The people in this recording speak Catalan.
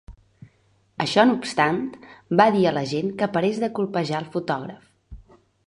Això no obstant, va dir a l’agent que parés de colpejar el fotògraf.